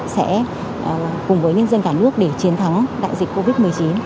sẽ cùng với nhân dân cả nước để chiến thắng đại dịch covid một mươi chín